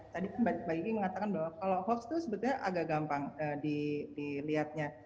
tadi mbak iki mengatakan bahwa kalau hoax itu sebetulnya agak gampang dilihatnya